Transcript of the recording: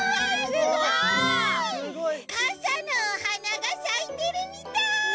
すごい！かさのおはながさいてるみたい。